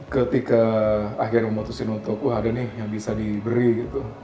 ketika akhirnya memutuskan untuk wah ada nih yang bisa diberi gitu